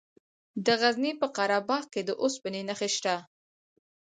د غزني په قره باغ کې د اوسپنې نښې شته.